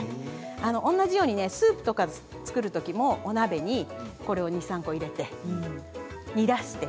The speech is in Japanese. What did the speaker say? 同じようにスープとか作るときもお鍋にこれを２、３個を入れて煮出して